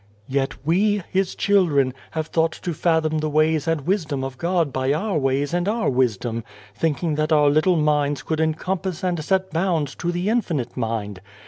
"Yet we His children have thought to fathom the ways and wisdom of God by our ways and our wisdom, thinking that our little minds could encompass and set bounds to the Infinite Mind.